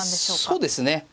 そうですね。